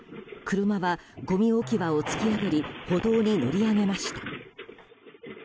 車はごみ置き場を突き破り歩道に乗り上げました。